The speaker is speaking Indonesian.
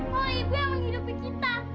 oh ibu yang menghidupi kita